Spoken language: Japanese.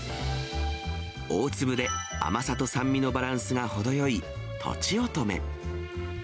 大粒で甘さと酸味のバランスが程よいとちおとめ。